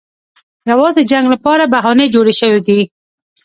یوازې د جنګ لپاره بهانې جوړې شوې دي.